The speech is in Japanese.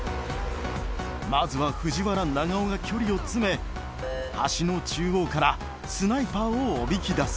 まずは藤原長尾が距離を詰め橋の中央からスナイパーをおびき出す